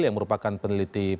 yang merupakan peneliti presiden